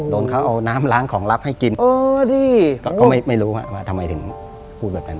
โดนเขาเอาน้ำล้างของลับให้กินโอ้ดิก็ไม่รู้ฮะว่าทำไมถึงพูดแบบนั้น